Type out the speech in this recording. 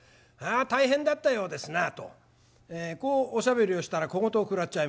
「大変だったようですな」とこうおしゃべりをしたら小言を食らっちゃいまして。